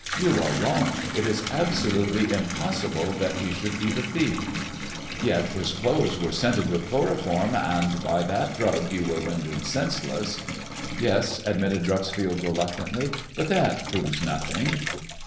You are wrong. It is absolutely impossible that he should be the thief." " Yet his clothes were scented with chloroform, and by • that drug you were rendered senseless." " Yes," admitted Dreuxfield reluctantly, " but that proves nothing."